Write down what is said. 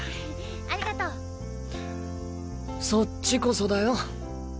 ・ありがとう・そっちこそだよ。